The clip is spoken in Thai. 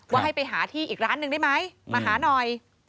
ว่าให้ไปหาที่อีกร้านหนึ่งได้ไหมมาหาหน่อย